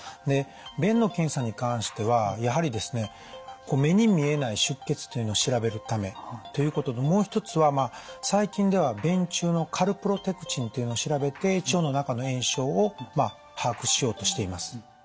で便の検査に関してはやはりですね目に見えない出血というのを調べるためということともう一つは最近では便中のカルプロテクチンというのを調べて腸の中の炎症を把握しようとしています。